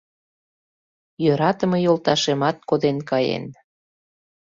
Йӧратыме йолташемат коден каен.